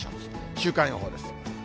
週間予報です。